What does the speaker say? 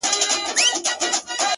• شمع هر څه ویني راز په زړه لري ,